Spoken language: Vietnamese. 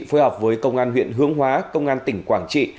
phối hợp với công an huyện hướng hóa công an tỉnh quảng trị